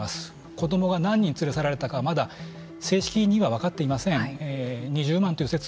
子どもが何人に連れ去られたのかまだ正式には分かっていません。